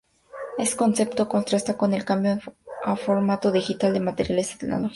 Este concepto contrasta con el cambio a formato digital, de materiales analógicos a digitales.